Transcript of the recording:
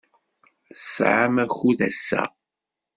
Tesɛam akud ass-a?